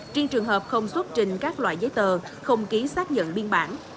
trên trường hợp không xuất trình các loại giấy tờ không ký xác nhận biên bản